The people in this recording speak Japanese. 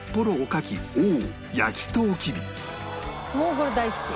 これ大好き！